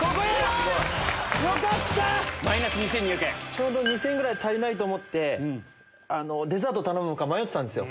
ちょうど２０００円ぐらい足りないと思ってデザート頼むか迷ってたんですよ